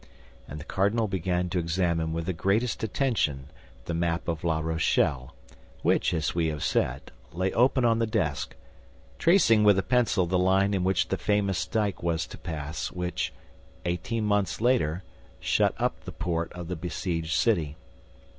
And the cardinal began to examine with the greatest attention the map of La Rochelle, which, as we have said, lay open on the desk, tracing with a pencil the line in which the famous dyke was to pass which, eighteen months later, shut up the port of the besieged city.